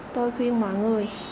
tôi khuyên mọi người